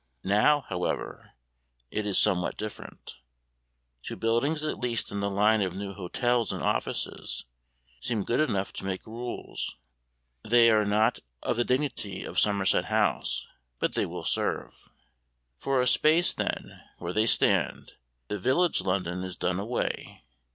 Now, however, it is somewhat different. Two buildings at least in the line of new hotels and offices seem good enough to make rules. They are not of the dignity of Somerset House, but they will serve. For a space, then, where they stand, the village London is done away.